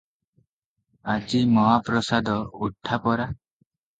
ଆଜି ମହାପ୍ରସାଦ ଉଠା ପରା ।